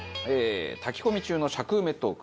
炊き込み中の尺埋めトーク。